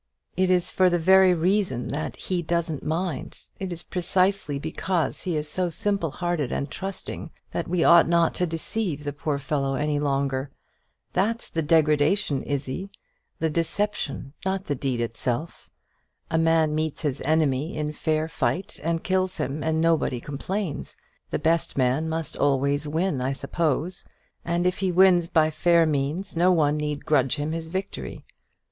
It is for the very reason that he 'doesn't mind,' it is precisely because he is so simple hearted and trusting, that we ought not to deceive the poor fellow any longer. That's the degradation, Izzie; the deception, not the deed itself. A man meets his enemy in fair fight and kills him, and nobody complains. The best man must always win, I suppose; and if he wins by fair means, no one need grudge him his victory.